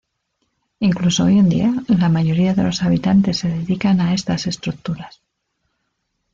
Incluso hoy en día, la mayoría de los habitantes se dedican a estas estructuras.